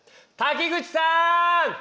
滝口さん！